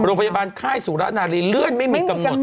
โรงพยาบาลค่ายสุรนารีเลื่อนไม่มีกำหนด